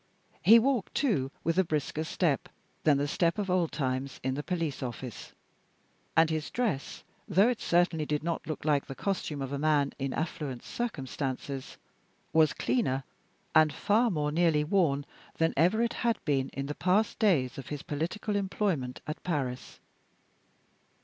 He walked, too, with a brisker step than the step of old times in the police office; and his dress, although it certainly did not look like the costume of a man in affluent circumstances, was cleaner and far more nearly worn than ever it had been in the past days of his political employment at Paris.